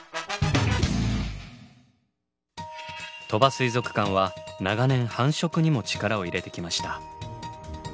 鳥羽水族館は長年繁殖にも力を入れてきました。